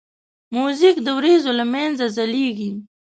موزیک د وریځو له منځه ځلیږي.